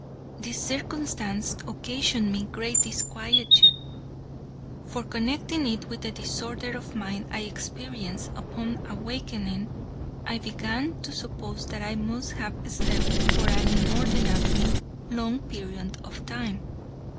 This circumstance occasioned me great disquietude; for, connecting it with the disorder of mind I experienced upon awakening, I began to suppose that I must have slept for an inordinately long period of time.